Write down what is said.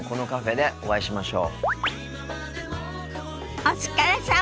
お疲れさま！